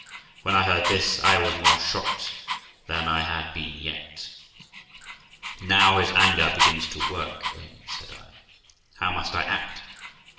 When I heard this, I was more shocked than I had been yet 'Now his anger begins to work, Amy', said I. 'how must I act?'